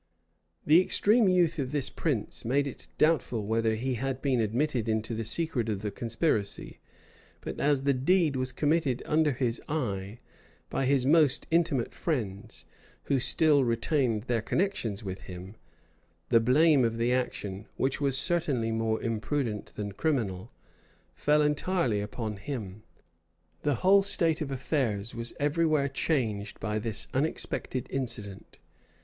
The extreme youth of this prince made it doubtful whether he had been admitted into the secret of the conspiracy; but as the deed was committed under his eye, by his most intimate friends, who still retained their connections with him, the blame of the action, which was certainly more imprudent than criminal, fell entirely upon him. The whole state of affairs was every where changed by this unexpected incident.